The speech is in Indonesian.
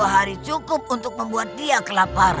dua puluh hari cukup untuk membuat dia kembali